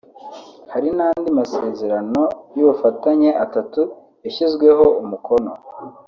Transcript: Hari n’andi masezerano y’ubufatanye atatu yashyizweho umukono